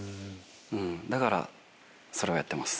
だからそれをやってます。